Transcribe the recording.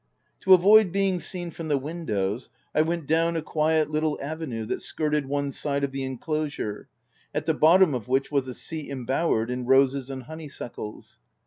To avoid being seen from the windows, I went down a quiet, little avenue, that skirted one side of the inclosure, at the bottom of OF WILDFELL HALL. lf)5 which was a seat imbowered in roses and honey suckles.